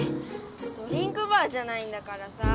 ドリンクバーじゃないんだからさぁ。